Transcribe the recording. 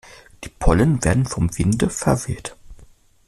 Die Pollen werden vom Winde verweht.